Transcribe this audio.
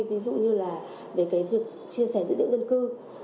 ví dụ như là về cái việc chia sẻ dữ liệu dân cư